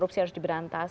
korupsi harus diberhentikan